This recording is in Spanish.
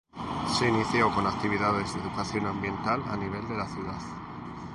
Se inició con actividades de educación ambiental a nivel de la ciudad.